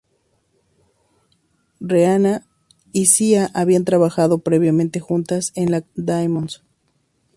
Rihanna y Sia habían trabajado previamente juntas en la canción, "Diamonds".